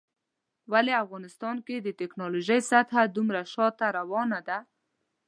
ولی افغانستان کې د ټيکنالوژۍ سطحه روزمره شاته روانه ده